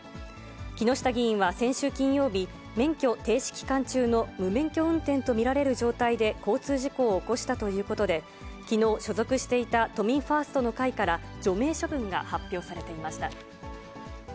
木下議員は先週金曜日、免許停止期間中の無免許運転と見られる状態で交通事故を起こしたということで、きのう、所属していた都民ファーストの会から除名処分が発表されていました。